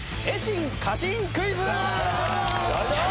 よいしょ！